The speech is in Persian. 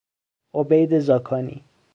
عبید زاکانی